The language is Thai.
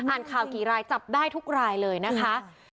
อ่านข่าวกี่รายจับได้ทุกรายเลยนะคะ